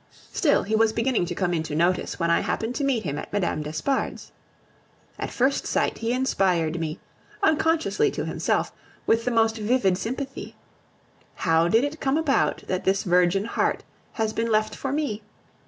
Still he was beginning to come into notice when I happened to meet him at Mme. d'Espard's. At first sight he inspired me, unconsciously to himself, with the most vivid sympathy. How did it come about that this virgin heart has been left for me?